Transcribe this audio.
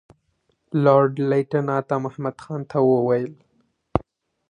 لارډ لیټن عطامحمد خان ته وویل.